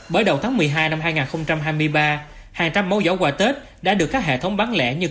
bởi đầu tháng một mươi hai năm hai nghìn hai mươi ba hàng trăm mẫu giỏ quà tết đã được các hệ thống bán lẻ như